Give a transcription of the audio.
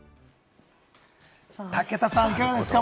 武田さん、いかがですか？